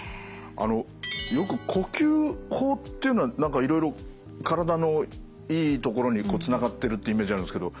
あのよく呼吸法っていうのは何かいろいろ体のいいところにつながってるってイメージあるんですけど。